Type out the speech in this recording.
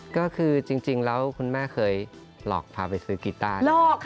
ก็คือจริงแล้วคุณแม่เคยหลอกพาไปซื้อกีต้าเนอะ